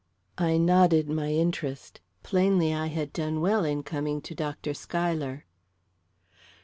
I nodded my interest. Plainly I had done well in coming to Dr. Schuyler.